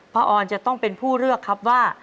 ออนจะต้องเป็นผู้เลือกครับว่า